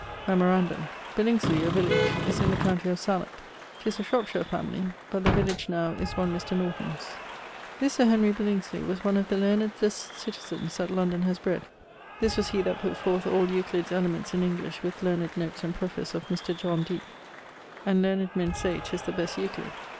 Memorandum: Billingsley (a village) is in the countie of Salop. 'Tis a Shropshire familie; but the village now is one Mr. Norton's. This Sir Henry Billingsley was one of the learnedst citizens that London has bred. This was he that putt forth all Euclid's Elements in English with learned notes and preface of Mr. John Dee, and learned men say 'tis the best Euclid.